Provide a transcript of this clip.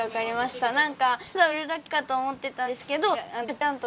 ただ売るだけかと思ってたんですけど